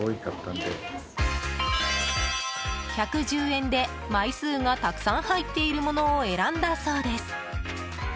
１１０円で枚数がたくさん入っているものを選んだそうです。